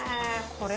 これ。